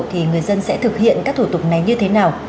thì người dân sẽ thực hiện các thủ tục này như thế nào